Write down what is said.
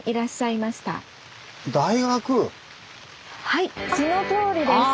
はいそのとおりです。